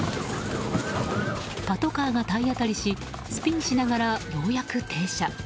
パトカーが体当たりしスピンしながらようやく停車。